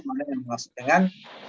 mana yang masuk dengan